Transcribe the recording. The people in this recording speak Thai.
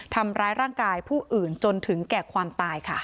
ทำร้ายร่างกายผู้อื่นจนถึงแก่ความตายค่ะ